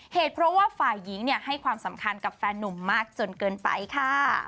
เหตุเพราะว่าฝ่ายหญิงให้ความสำคัญกับแฟนนุ่มมากจนเกินไปค่ะ